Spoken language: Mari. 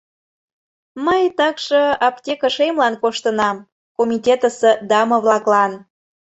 — Мый такше аптекыш эмлан коштынам... комитетысе даме-влаклан.